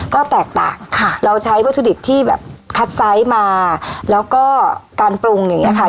ก็แตกต่างค่ะเราใช้วัตถุดิบที่แบบคัดไซส์มาแล้วก็การปรุงอย่างนี้ค่ะ